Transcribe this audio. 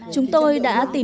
chúng tôi đã tìm hiểu